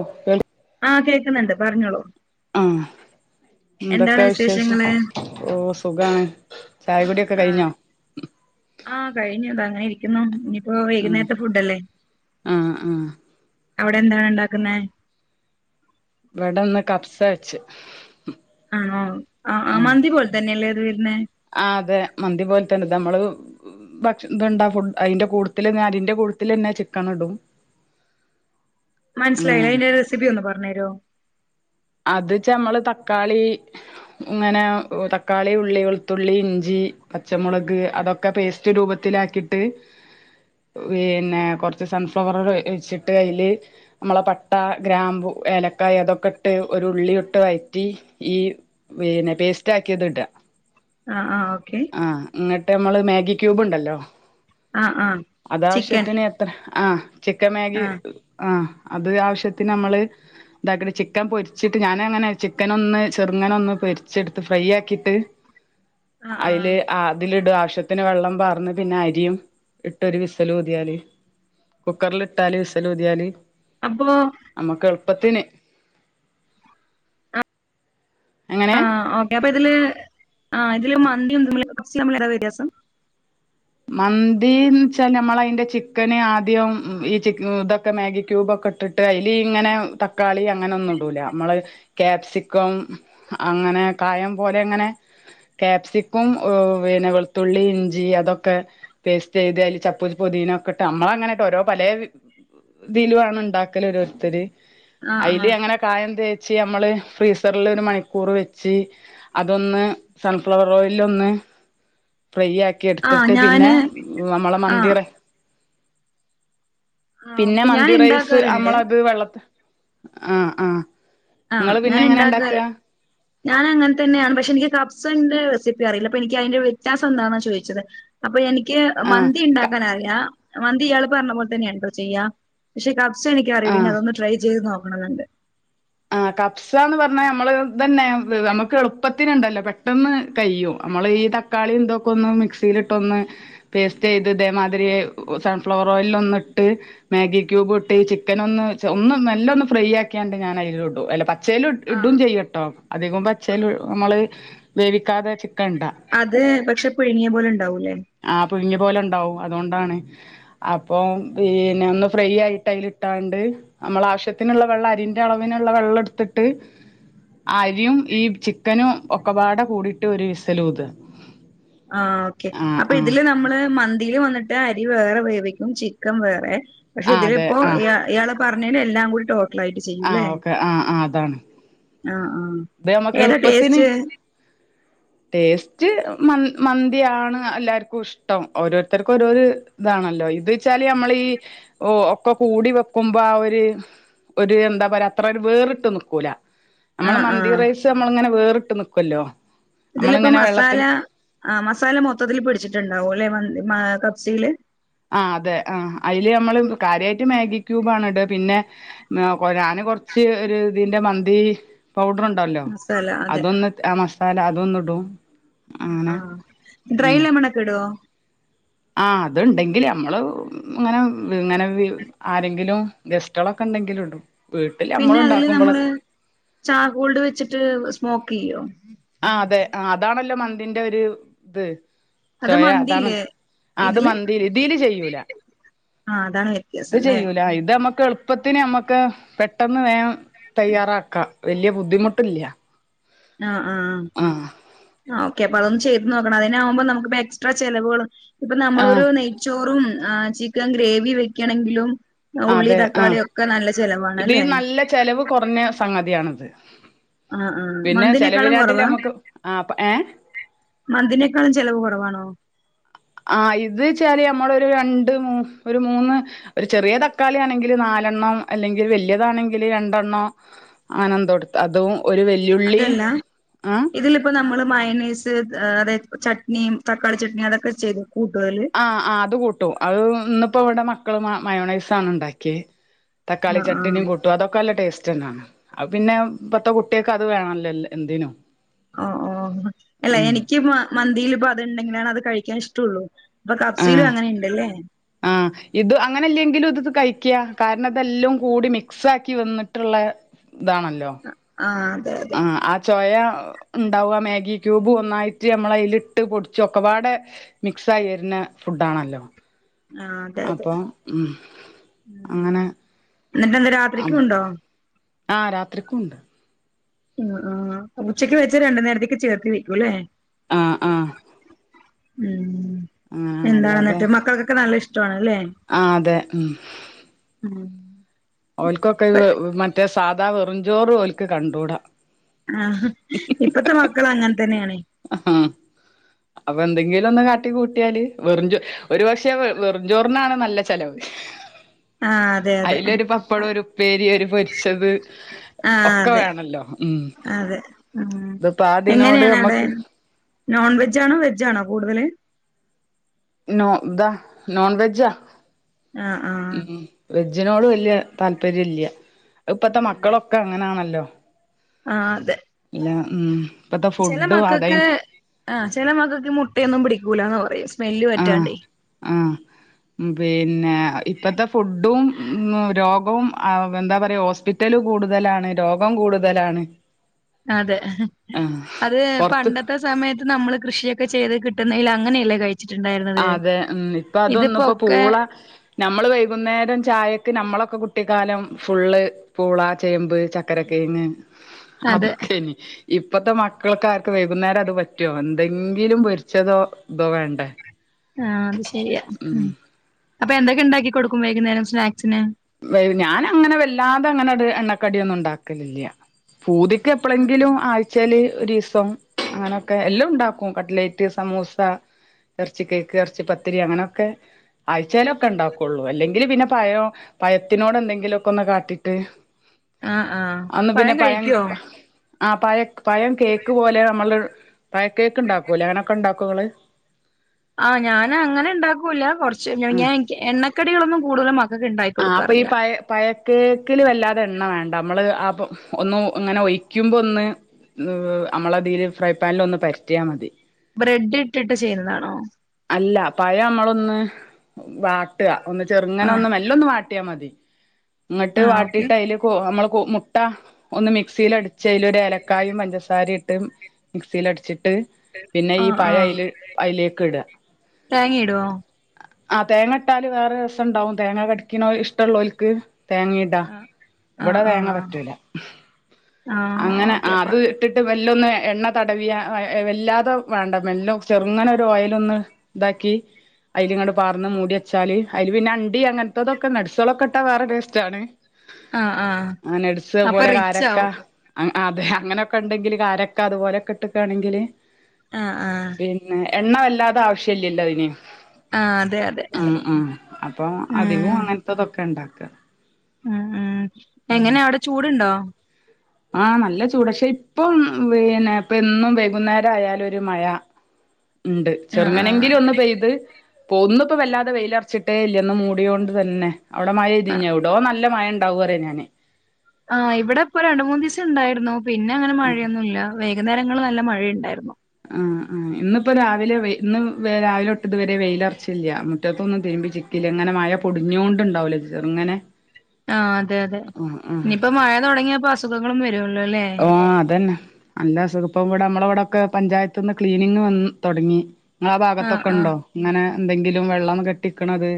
ഓക്ക ആഹ കേൾക്കുന്നുണ്ട് പറഞ്ഞോളൂ ആഹ്‌. എന്താണ് എന്തൊക്കെ വിശേഷം വിശേഷങ്ങള് ഓ സുഖാണ് ചായപൊടിയൊക്കെ ആഹ് കഴിഞ്ഞോ ആഹ് കയ്ഞ്ഞു ത ഇങ്ങനെ ഇരി ുന്നു ഇനിയിപ്പോ ആഹ് വൈകുന്നേരത്തെ ഫുഡല്ലേ ആഹ് ആഹ് അവിടെ എന്താണ് ഉണ്ടാക്കുന്നേ ഇവിടന്ന് കപ്സ വെച്ച് ആണോ ആഹ് ആ മന്തി പോലെ തന്നെയല്ലേ ഏത് വരുന്ന ആഹ് അതെ മന്തി പോലെ തന്നെ നമ്മള് ഭക്ഷ ഇതുണ്ടാ ഫുഡ് അയ്ന്റെ കൂട്ടത്തിൽ അരീന്റെ കൂട്ടത്തിൽന്നെ ചിക്കൻ ഇടും മനസ്സിലായില്ല അങ്ങനാണ് അതിന്റെ റെസിപ്പി ഒന്ന് പറഞ്ഞരോ അത്ച്ച നമ്മള് തക്കാളി ഇങ്ങനെ തക്കാളി ഉള്ളി വെളുത്തുള്ളി ഇഞ്ചി പച്ചമുളക് അതൊക്കെ ഒക്കെ പേസ്റ്റ് രൂപത്തിലാക്കിയിട്ട് പിന്നെ കുറച്ച് സൺഫ്ലവർ വെച്ചിട്ട് കയ്ൽ നമ്മളെ പട്ട ഗ്രാമ്പു ഏലക്കായ അതൊക്കെ ഇട്ട് ഒരു ഉള്ളിയുട്ട് കയറ്റി ഈ പിന്നെ പേസ്റ്റ് ആാക്കിയത് ഇടാ ആഹ് ആഹ് ഓക്കെ ആഹ് എന്നങ്ങിട്ട് നമ്മള് മാഗി ക്യൂബ് ഉണ്ടല്ലോ ആഹ് ആഹ് ചിക്കൻ അതാവശ്യത്തിന് ആഹ് ചിക്കൻ മാഗി ആഹ് ആഹ് അത് ആവശ്യത്തിന് നമ്മള് ഇതാക്ക ചിക്കാ പൊരിച്ചിട്ട് ഞാനൻ അങ്ങനെ ചിക്കന ഒന്ന് ചെറുങ്ങനൊ ഒന്ന് പൊരിച്ചെടുത്ത് ഫ്രൈ ആക്കിയിട്ട് ആഹ് ആഹ് അയ്ല് അതില ആവശ്യ ത്തിന് വെള്ളം പാർന്ന് പിന്നെ അരിയും ഇട്ടരു വിസൽ ഊതിയാല് കുക്കറൽ ഇട്ടാല് വിസല് ഊതിയാൽ അപ്പോൊ അമ്മക്ക് എളുപ്പത്തിന് എങ്ങനെ അപ്പ ഇതില് ആ ഇതില് മന്തിമ്മ കുറിച്ച് നമ്മൾ വ്യത്യാസം മന്തിന്ന് വച്ചാൽ നമ്മള അതിന്റെ ചിക്കന് ആദ്യം ച ഇതൊക്കെ മാഗി ക്യൂബ് ഒക്കെ ഇട്ടിട്ട് അയ്ല് ഇങ്ങനെ തക്കാളി അങ്ങനൊ ഒന്നും ഇടൂല നമ്മള് ക്യാപ്സിക്കം അങ്ങനെ കായം പോലെ അങ്ങനെ ക്യാപ്സിക്കും വേനകെളുത്തുള്ളി ഇഞ്ചി അതൊക്കെ ക്കെ പേസ്റ്റെയ്ത് അയില് ചപ്പൂം പൊതീനൊക്കെട്ട് അമ്മളങ്ങനെ ഓരോ പലേ ഇതിലു ആണ് ഇണ്ടാക്കല് ഓരോര്ത്തര് ആഹ് അയില് ആഹ് അങ്ങനെ കായം തേച്ച് അമ്മള് ഫ്രീസറിലൊര് മണിക്കൂറ് വെച്ച് അതൊന്ന് സൺഫ്ലവർ ഓയില്ലൊന്ന് ഫ്രൈയാക്കി എട് ആഹ് ത്തിട്ട് പിന്നെ ഞാന് അമ്മളെ മന്തി ആഹ് റെെ ആഹ് പിന്നെ ഓക്കെ ഞാൻ മന്തി റൈസ് ഉണ്ടാക്കാറുണ്ട് അമ്മളത് വെള്ളത്ത് ആഹ് ആഹ്. ഇങ്ങള് പിന്നെങ്ങനാണ്ടാക്കാ? ഞാനങ്ങൻ തെന്ന്യാണ് പക്ഷെ എനിക്ക് കബ്സന്റെ റെസിപ്പി അറീല്ല അപ്പൊ എനിക്കയിന്റെ വ്യത്യാസം എന്താന്നാ ചോയിച്ചത്. അപ്പൊ എനിക്ക് ആഹ് മന്തിണ്ടാക്കാനറിയാ മന്തി ഇയാള് പറഞ്ഞ പോലെ തന്നെയാട്ടോ ചെയ്യാ. പക്ഷെ കബ്സ എനിക്കറീല്ല ഇനി ആഹ് അതൊന്ന് ട്രെെ ചെയ്ത് നോക്കണന്ന്ണ്ട്. ആഹ് കബ്സാന്ന് പറഞ്ഞാ ഞമ്മള് ഇതെന്നെ അമ്മക്ക് എളുപ്പത്തിന്ണ്ടല്ലോ പെട്ടെന്ന് കയ്യും അമ്മള് ഈ തക്കാ ക്കാളിം ഇതൊക്കൊന്ന് മിക്സീലിട്ടൊന്ന് പേസ്റ്റെയ്ത് ഇതേമാതിരി സൺഫ്ലവർ ഓയില്ലൊന്ന്ട്ട് മാഗി ക്യൂബൂട്ട് ചിക്കനൊന്ന് ഒന്ന് മെല്ലൊന്ന് ഫ്രൈ ആക്കിയാണ്ട് ഞാ അയില് ഇടും അല്ല പച്ചേല് ഇടും ആഹ് ചെയ്യട്ടോ. അധികം പച്ചേല് അമ്മള് വേവിക്കാതെ ചിക്കന്ടാ. അത് പക്ഷെ പുഴുങ്ങ്യ പോലെണ്ടാവൂലേ? ആഹ് പുഴുഞ്ഞ്യ പോലെണ്ടാവും അതോണ്ടാണ്. അപ്പൊ പിന്നെ ഒന്ന് ഫ്രൈയായിട്ട് അയില് ഇട്ടാണ്ട് അമ്മളാവശ്യത്തിന്ള്ള വെള്ളം അരി അളവിന്ള്ള വെള്ളെട്ത്തിട്ട് അര്യും ഈ ചിക്കനും ഒക്കപ്പാടെ കൂടിട്ട് ഒര് വിസിലൂതാ. ആഹ് ഓക്കെ, അപ്പൊ ഇതില് നമ്മള് മന്തീല് വന്ന് അരി വേറെ വേവിക്കും ചിക്കൻ വേറെ പക്ഷെ ആ അതെ ഇതില്പ്പോ ആ ഇയാ ഇയാള് പറഞ്ഞേല് എല്ലാം കൂടി ടോട്ടലായിട്ട് ആ ചെയ്യൂലേ, ഓക്കെ ആ ആ അതാണ് ആഹ് ആഹ്. ഇത് നമ്മക്ക് ഏതാ എളുപ്പത്തിന് ടേസ്റ്റ്? ടേസ്റ്റ് മന്തിയാണ് എല്ലാർക്കും ഇഷ് ഓരോര്ത്തർക്ക് ഓരോര് ഇതാണല്ലോ ഇത് വെച്ചാല് അമ്മള് ഈ ഓ ഒക്കെ കൂടി വെക്കുമ്പോ ആഹ് ഒര് ഒര് എന്താ പറയാ അത്രൊരു വേറിട്ട് നിക്കൂല. ആഹ് ആഹ്. അമ്മള്ങ്ങന വേറ്ട്ട് നിക്കുല്ലോ? ഇതില്പ്പ മസാല ആഹ് മസാല മൊത്തത്തില് പിടിച്ച്ട്ട്ണ്ടാവും ലേ മന്തി മ കബ്സേല്. ആഹ് അതെ ആ അയില് അമ്മള് കാര്യായിട്ട് മാഗി ക്യൂബാണ് ഇടാ പിന്നെ ഞാന് കൊറച്ച് ഒര് ഇതിന്റെ മന്തീ പൗഡറിണ്ടല്ലോ മസാല അതെ അതൊന്ന് മസാല അതൊന്ന്ടും. ആഹ് ആഹ് ഡ്രൈ ലെമണൊക്കെ ഇടോ? ആഹ് അത്ണ്ടെങ്കി അമ്മള് ഇങ്ങനെ ഇങ്ങനെ ആരെങ്കിലും ഗസ്റ്റേളൊക്കെണ്ടെങ്കില്ടും വീട്ട്ല് അമ്മള്ണ്ടാക്കുമ്പോഞൊക്കെ ച്ചാകോൾഡ് വെച്ചിട്ട് സ്മോക്കെയ്യോ? ആഹ് അതെ അതാണല്ലോ മന്തിന്റെ ഒര്ത്. അത് ചൊയാ മന്തിയില്ലേ അതാണല്ലോ ആഹ് അത് ഇതില് മന്തീല് ഇതീല് ചെയ്യൂല. ആ അതാണ് വ്യത്യാസം ഇത് അല്ലേ ചെയ്യൂല ഇത് മ്മക്ക് എളുപ്പ പ്പത്തിന് അമ്മക്ക് പെട്ടെന്ന് വേം തയ്യാറാക്കാം വല്ല്യ ബുദ്ധിമുട്ട്ല്ല്യ. ആഹ് ആഹ്. ആഹ്. ആഹ് ഓക്കെപ്പതൊന്ന് ചെയ്ത് നോക്കണം അതിനാവുമ്പോ നമുക്ക്പ്പോ എക്സ്ട്രാ ചെലവുകള് ഇപ്പോ ആഹ് നമ്മളിപ്പോ ചോറും ചിക്കൻ ഗ്രേവി വെയ്ക്കണെങ്കിലും ഉള്ളി, അതെ തക്കാളി ആഹ് ഒക്കെ നല്ല ഇത് ചെലവാണല്ലേ? നല്ല ചെലവ് കൊറഞ്ഞ സംഗതി ആണത്. ആ ആ പിന്നെ മന്തിനേക്കാളും ചെലവിലാട്ടില് കൊറവാ അമ്മക്ക് ആഹ് ഏഹ്? മന്തിനേക്കാളും ചെലവ് കുറവാണോ? ആഹ് ഇത് വെച്ചാല് നമ്മള് ഒരു രണ്ട് മ ഒരു മൂന്ന്- ഒരു ചെറിയ തക്കളി ആണെങ്കില് നാലെണ്ണം അല്ലെങ്കിൽ വലിയതാണെങ്കില് രണ്ടെണ്ണം. ആനന്തോടത്ത് അതും ഒരു വല അതല്ല ഇതില്- ഇപ്പൊ നമ്മള് മയനീസ് അതായത് ചട്നിയ തക്കാളി ചട്നിയ അതൊക്കെ ചെയ്തു കൂട്ടതല്- ആഹ് ആഹ് അത് കൂട്ടും അത് ഇന്നിപ്പോ ഇവിടെ മക്കള് മയോണൈസ് ആണ് ഉണ്ടാക്കിയ- തക്കാളി ആഹ് ചട്ടിനിം ആഹ് കൂട്ടും അതൊക്കെ നല്ല ടേസ്റ്റ് തന്നാണ് ആഹ് പിന്നെ ഇപ്പത്തെ കുട്ടിയ അത് വേണല്ലോ എന്തിനും- ഓ ഓ അല്ല ഉം എനിക്ക് മന്തിൽ ഇപ്പ അത്ണ്ടെങ്കിലാണ് അത് കഴിക്കാൻ ഇഷ്ടള്ളു. ഇപ്പൊ കബ്സലും ആഹ് അങ്ങനെയുണ്ടല്ലേ ആഹ് ഇത് അങ്ങനെല്ലെങ്കിലും ഇത്ത് കഴിക്കുക കാരണം അതെല്ലാം കൂടി മിക്സ് ആക്കി വന്നിട്ടുള്ള ഇതാണല്ലോ- ആഹ് അതെ- ആഹ് ചോയ ഉണ്ടാവുക മാഗി ക്യൂബ് ഒന്നായിട്ട് നമ്മള് അതിലിട്ട് പൊടിച്ച് ഒക്കെപാട് മിക്സയി വരുന്ന ഫുഡ്‌ ആണല്ലോ? ആഹ് അതെ അതെ അപ്പൊ ഉം ഉം അങ്ങനെ- എന്നിട്ട് ഇന്ന് രാത്രിക്കും ഉണ്ടോ? ആഹ് രാത്രിക്കുണ്ട്. ഉം ആഹ് ഉച്ചക്ക് വെച്ച് രണ്ടു നേരത്തേക്ക് ചേർത്തി വെക്കും അല്ലേ? ആഹ് ആഹ്- ഉം അങ്ങനെയാണ് അല്ലാതെ എന്താണെന്നിട്ട് മക്കൾക്കൊക്കെ നല്ല ഇഷ്ടണല്ലേ? ആഹ് അതെ ഉം. ഉം ഓൽക്കൊക്കെ മറ്റേ സാധാ വെറുചോറ് ഓൽക്ക് കണ്ടൂടാ ആഹ ഇപ്പത്തെ മക്കൾ അങ്ങനെ തന്നെയാണ് ആഹ് അപ്പൊ എന്തെങ്കിലും ഒന്ന് കാട്ടി കൂട്ടിയാല് വെറുചോ ഒരു പക്ഷെ വെറുചോറിനാണ് നല്ല ചെിലവ് ആ അതെ അതിലൊരു അതെ പപ്പടം ഒരു ഉപ്പേരി ഒര് പൊരിച്ചത് ആഹ് ഒക്കെ അതെ വേണല്ലോ ഉം അതെ ഉം അതിപ്പോ അതിനോട് എങ്ങനെയാണ് അവിടെ മ്മക്ക് നോൺ വെജണോ വെജണോ കൂടുതല് നോ ഇതാ നോൺ വെജാ ആഹ് ആഹ് ഉ വെജിനോട് വല്യ താല്പര്യം ഇല്ല ഇപ്പത്തെ മക്കളൊക്കെ അങ്ങനെയാണല്ലോ ആ അതെ ഇല്ല ഉം ഇപ്പത്തെ ചില ഫുഡും അത മക്കൾക്ക് ആഹ് ചില മകൾക്ക് മുട്ടയൊന്നും പിടിക്കൂലന്ന് പറയും സ്മെല്ല് ആഹ് പറ്റാണ്ടേ ആഹ് പിന്നെ ഇപ്പത്തെ ഫുഡും രോഗവും എന്താ പറയാ ഹോസ്പി റ്റൽ കൂടുതലാണ് രോഗം കൂടുതലാണ്. അതെ ആഹ് അത് പൊറത്ത് പണ്ടത്തെ സമയത്ത് നമ്മള് കൃഷിയൊക്കെ ചെയ് കിട്ടുന്നതിൽ അങ്ങനെയല്ലേ കഴി ച്ച്ണ്ടായിരുന്നു അതെ ഉം ഇപ്പ അതൊന്ന ഇപ്പ പൂള നമ്മള് വൈകുന്നേരം ചായക്ക് നമ്മളൊക്കെ കുട്ടിക്കാലം ഫുള്ള് പൂള, ചേമ്പ്, ചക്കരക്കേങ്ങ്, അതെ അതൊക്കെന്ന് ഇപ്പത്തെ മക്കൾക്ക ആർക്ക് വൈകുന്നേരം അത് പറ്റൊ എന്തെങ്കിലും പൊരിച്ചതോ ഇതോ വേണ്ടേ ആ അത് ശരിയാ ഉ ഉം അപ്പൊ എന്തൊക്കെ ഉണ്ടാക്കി കൊടുക്കും വൈകുന്നേരം സ്നാക്സിന് വെയി ഞാനങ്ങനെ വല്ലാതെങ്ങനൊരു എണ്ണക്കടിയൊന്നും ഉണ്ടാക്കലില്ല്യ പൂതിക്ക് എപ്പളെങ്കിലും ആ ച്ചല് ഒരീസം അങ്ങനൊക്കെ എല്ലൊം ഇണ്ടാക്കും കട്ലേറ്റ് സമൂസ എറച്ചി കേക്ക് എറച്ചി പത്തിരി അങ്ങനൊക്കെ ആഴ്ച്ചേലൊക്കെ ഇണ്ടാക്കൊള്ളൂ അല്ലെങ്കില് പിന്നെ പയൊ പയത്തിനോട് എന്തെങ്കിലുക്കൊന്ന് കാട്ടിട്ട് ആഹ് ആഹ് അന്ന് പിന്നെ പഴം പയം കഴിക്കുവോ ആ പഴ പഴം കേക്ക് പോലെ നമ്മള് പഴക്കേക്ക് ഇണ്ടാക്കൂലേ അങ്ങനൊക്കെ ഉണ്ടാക്കൊങ്ങള് ആഹ് ഞാന് അങ്ങനെ ഇണ്ടാക്കൂല കൊർച്ച് ആ ഞാൻ എണ്ണക്കടികളൊന്നും കൂടുതലൊന്നു മ ആഹ് അപ്പ ഈ പയ പയക്കേക്കില് വല്ലാതെ എണ്ണ വേണ്ട നമ്മള് അപ്പൊ ഒന്ന് ഇങ്ങനെ ഒഴിക്കുമ്പോ ഒന്ന് നമ്മളതീൽ ഫ്രൈ പാനിൽ ഒന്ന് പരത്തിയാമതി ബ്രെഡ്ട്ടിട്ട് ചെയ്യുന്നതാണോ അല്ല പഴ അമ്മളൊന്ന് വാട്ടാ ഒന്ന് ആഹ് ചെറുങ്ങനൊന്ന് മെ ല്ലൊന്ന് വാട്ടിയാമതി ഇങ്ങട്ട് ആഹ് ഓക്കെ വാട്ടിട്ടയില് ക്കൊ നമ്മള് മുട്ട ഒന്ന് മിക്സില് അടിച്ച് അയില് ഒരു ഏലക്കായിം പഞ്ചസാരിം ഇട്ട് മിക്സീലടിച്ചിട്ട് പിന്നെ ഈ ആഹ് പഴ ആഹ് അയില് അലേക്ക് ഇടാ തേങ്ങയിടുവോ ആഹ് തേങ്ങട്ടാല് വേറെ രസണ്ടാവും തേങ്ങ കടിക്ക്ണോ ഇഷ്ടള്ളോൽക്ക് തേങ്ങ ട്ട ആഹ് ഇവിടെ ആഹ് തേങ്ങ ആഹ് പറ്റൂല ആഹ് അങ്ങനെ ഓക്കെ അപ്പൊ അത് ഇട്ടിട്ട് വെല്ലൊന്ന് എണ്ണ തടവിയ വെല്ലാതെ വേണ്ട മെല്ലെ ചെറുങ്ങനെ ഒരു ഓയലൊന്ന് ഇതാക്കി അയില്ങ്ങട്ട് പാർന്ന് മൂടിയച്ചാല് അയില് പിന്നെ അണ്ടി അ ട്ടതൊക്കെ നട്സളൊക്കെട്ടാ വേറെ ടേസ്റ്റാണ് ആഹ് നട്സ് അ അത്‌ അപ്പൊ പോലെ റിച്ച് കാരക്ക ആവും അഹ് അതെ അങ്ങനൊക്കെണ്ടെങ്കില് കാരക്ക അതുപലൊക്കെ ഇട്ടക്കാണെങ്കില് ആഹ് ആഹ് പിന്നെ എണ്ണ വല്ലാതെ ആവശ്യല്ല്യല്ലോ അതിന് ആഹ് അതെ അതെ ഉം ഉം അപ്പൊ അധികും ഉം അങ്ങ ൻത്തതൊക്കെ ഇണ്ടാക്കാ ഉം ഉം എങ്ങനെ അവ്ടെ ചൂടുണ്ടോ ആഹ് നല്ല ചൂട്ക്ഷെ ഇപ്പം പിന്നെ ഇപ്പന്നും വൈകുന്നേരായാലൊരു മയ ഇണ്ട് ആഹ് ചെറുങ്ങനെങ്കിലും ഒന്ന് പെയ്ത് പൊന്ന് ഇപ്പ വല്ലാതെ വെയിലർച്ച്ട്ടേല്ല്യ. ഇന്ന് മൂടിയോണ്ട് തന്നെ ഔടെ ആഹ് മഴയ്തീന്യോ ഔടോ നല്ല മയ ണ്ടാവുറിയ ഞാന് ആഹ് ഇവിടെ ഇപ്പ രണ്ട് മൂന്നീസം ഇണ്ടായിരുന്നു പിന്നെ അങ്ങനെ മഴയൊന്നുംല്ല വേകുന്നേരങ്ങൾല് നല്ല മഴയ്ണ്ടായിരുന്നു ആഹ് ആഹ് ഇന്നിപ്പ രാവിലെ വെയി ഇന്ന് രാവിലെട്ട് ഇത് വരെ വെയിലർച്ചില്ല്യ മുറ്റത്തൊന്നും തിര്മ്പി ചി ക്കീല്ല ഇങ്ങനെ മയ പൊടിഞ്ഞോണ്ട് ഇണ്ടാവുലെ ചെറുങ്ങനെ ആഹ് അതെ അതെ ആഹ് ആഹ് ഇഞ്ഞിപ്പോ മഴ തുടങ്ങിയാപ്പോ അസുഖങ്ങളും വരുല്ലോല്ലേ ആഹ് അതന്നെ നല്ല അസുഖ ഇപ്പം ഇവിടെ നമ്മളെവടൊക്കെ പഞ്ചായത്ത്ന്ന് ക്ലീനിങ്ങ് വന്ന് തൊടങ്ങി ഇങ്ങളാ ആ ആഹ് ആഹ് ഭാഗത്തൊക്കെണ്ടോ ഇങ്ങനെ എന്തെങ്കിലും വെള്ളം കെട്ടിക്ക്ണത്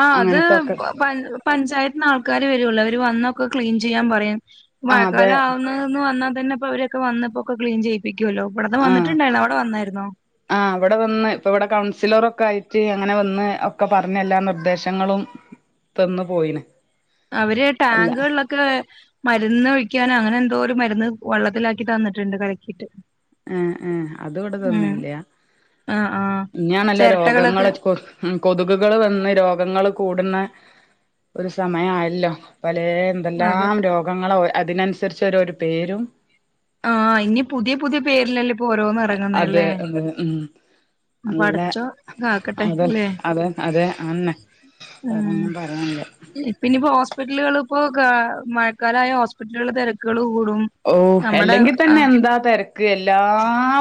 ആഹ് അത് പ പഞ്ചായത്തിന് ആൾക്കാര് വരൊല്ലോ അവര് വന്നൊക്കെ ക്ലീൻ ചെയ്യാൻ പറയും ആഹ് അതെ മഴക്കാലം ആവുന്നന്ന് വന്നാതന്നെപ്പ ഇവരൊക്കെ വന്നപ്പോക്കെ ക്ലീൻ ചെയ്യ് പ്പിക്കൊല്ലോ. ഇവിട്ന്ന് ആഹ് വന്ന്ട്ട്ണ്ടായിര്ന്ന് അവിടെ വന്നായിര്ന്നോ ആഹ് ഐവിടെ വന്ന്. ഇപ്പ ഇവിടെ കൗൺസിലറൊക്കെ ആയിട്ട് അങ്ങനെ വന്ന് ഒക്കെ പറഞ്ഞല്ലാ നിർദ്ദേശങ്ങളും തന്ന് പോയിണ് അവര് ടാങ്ക്ളിലൊ ക്കെ മരുന്ന് ഒഴിക്കാനോ അങ്ങനെ എന്തോ ഒരു മരുന്ന് വെള്ളത്തിലാക്കി തന്നിട്ട്ണ്ട് കലക്കിട്ട് ഏഹ് ഏഹ് അത് ഇവിടെ തന്നില്ല്യ ആഹ് ആഹ് ഇഞ്ഞാണല്ലൊ ചിരട്ടകളൊക്കെ രോഗങ്ങളെ ഉം കൊതുകുകള് വന്ന് രോഗങ്ങള് കൂട്ണ ഒരു സമയായല്ലോ പല അതെ എന്തെല്ലാം രോഗങ്ങളെ അതിനനുസരിച്ച്ൊര ഒരു പേരും ആഹ് ഇനി പുതിയ പുതിയ പേരിലല്ല അതെ അതെ ഉം നല്ല പടച്ചോൻ കാക്കട്ടെ അത ല്ലേ അത് അത ആന്നെ ഉം വേറൊന്നും പറയാൻ ല്ല പിന്നെപ്പോ ഹോസ്പിറ്റലുകൾ ഇപ്പോൊ മഴക്കാലായ ഹോസ്പിറ്റലുകൾ തിരക്കുകൾ കൂടും ഓഹ് നമ്മുടെ അല്ലെങ്കിൽ ആ തന്നെ എന്താ തിരക്ക് എല്ലാ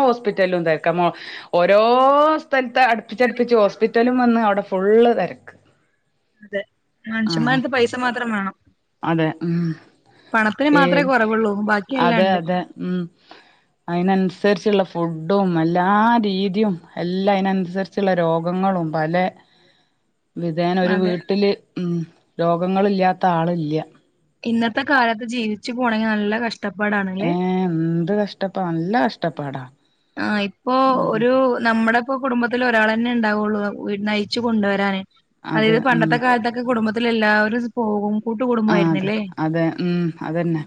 ഹോസ്പിറ്റലിലും തിരക്ക ഓരോ സ്ഥലത്ത് അടുപ്പിടുപ്പിച്ച് ഹോസ്പിറ്റലും വന്ന് അവിടെ ഫുള്ള് തിരക്ക് അതെ ആഹ് മൻുഷന്മാനത്തെ പൈസ മാത്രം വേണം അതെ ഉം പണത്തിന് മാത്രെ ഏത് കുറവുള്ളൂ ബാക്കിയ എല്ലാം ഉണ്ട് ഉം അയ്നനുസരിച്ചുള്ള ഫുഡും എല്ലാ രീതിയും എല്ലാം അയ്നനുസരിച്ച് ചില രോഗങ്ങളും പല വിധേന ഒരു അതെ വീട്ടില് ഉം രോഗങ്ങള ഇല്ലാത്ത ആളില്ല ഇന്നത്തെ കാലത്ത് ജീവിച്ചു പോണമെങ്കിൽ നല്ല കഷ്ടപ്പാടാണല്ലേ എന്ത് കഷം ഇഷ്ടപ്പ നല്ല കഷ്ടപ്പാടാ ആഹ് ഇപ്പോൊ ഉം ഒരു നമ്മുടെ കുടുംബത്തിൽ ഒരാൾ തന്നെ ഉണ്ടാവുള്ളൂ നയിച്ചു കൊണ്ടുവരാന് അതെ അതായത് ഉം പണ്ടത്തെ കാലത്തൊക്കെ കുടുംബ എല്ലാവരും പോകും കൂട്ടൂ ആഹ് അതെ അതെ ഉം അതന്നെ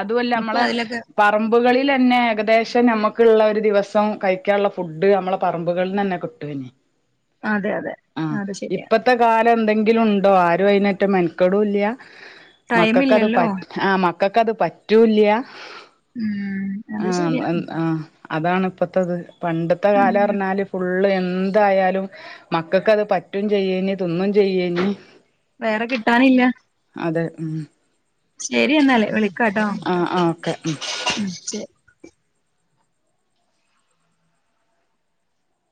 അതുമല്ല ഇപ്പൊ നമ്മളെ അതിലൊക്കെ പറമ്പുകളിലന്നെ ഏകദേശം നമുക്കുള്ള ഒരു ദിവസം കയിക്കാ ഉള്ള ഫുഡ് നമ്മളെ പറമ്പുകള്ന്നന്നെ കിട്ടും ഇനി അതെ അതെ അത് ശരിയാ ഇത്തെ കാലം എന്തെങ്കിലും ഉണ്ടോ ആരും അതിനേറ്റ മെനക്കെടും ഇല്ല ടൈം മക്കക്കത് പ ഇല്ലല്ലോ ആഹ് മക്കക്കത് പറ്റൂല്ല്യ ഉം അത് ആഹ് ശരിയാ ഉം ആഹ് അതാണ് ഇപ്പത്തത് പണ്ടത്തെ കാലം ഉം പറഞ്ഞാല് ഫുള്ള് എന്ത് എന്തായാലും മക്കക്കത് പറ്റും ചെയ്യേന് തിന്നും ചെയ്യേന് വേറെ കിട്ടാനില്ല അതെ ഉം ശരി എന്നാല് വിളിക്കാട്ടോ ആഹ് ആഹ് ഓക്കെ ഉം ശെ